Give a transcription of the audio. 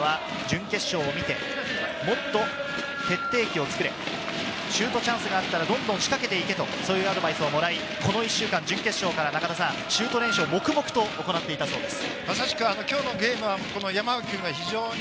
その父・まさしさんからは準決勝を見て、もっと決定機を作れ、シュートチャンスがあったら、どんどん仕掛けて行けと、そういうアドバイスをもらい、この１週間準決勝からシュート練習を黙々と行っていたそうです。